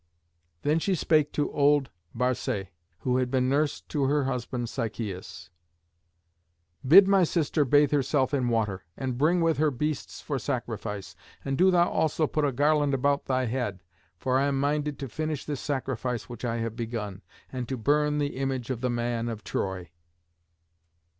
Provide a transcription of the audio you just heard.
Then she spake to old Barcé, who had been nurse to her husband Sichæus, "Bid my sister bathe herself in water, and bring with her beasts for sacrifice. And do thou also put a garland about thy head, for I am minded to finish this sacrifice which I have begun, and to burn the image of the man of Troy."